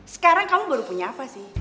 sekarang kamu baru punya apa sih